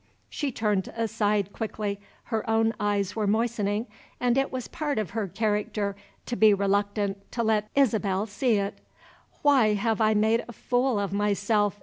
She turned aside quickly; her own eyes were moistening, and it was part of her character to be reluctant to let Isabel see it. "Why have I made a fool of myself?"